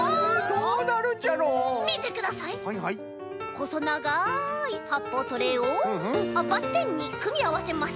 ほそながいはっぽうトレーをバッテンにくみあわせます。